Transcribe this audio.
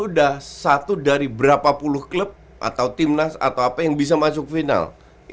udah satu dari berapa puluh klub atau timnas atau apa yang bisa masuk final itu kan sebuah prestasi